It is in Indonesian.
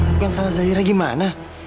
bukan salah zahira gimana